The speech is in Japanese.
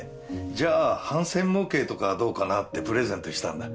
じゃあ帆船模型とかどうかなってプレゼントしたんだ。